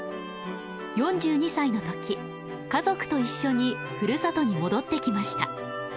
４２歳の時家族と一緒にふるさとに戻ってきました。